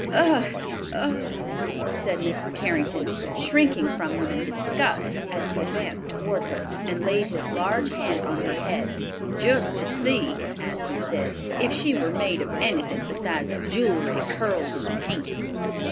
"Ugh u u!" said Mrs. Carrington, shrinking from him in disgust, as he advanced toward her, and laid his large hand on her head, "just to see," as he said, "if she were made of anything besides jewelry, curls and paint."